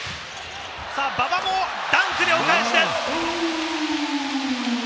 馬場もダンクでお返しです！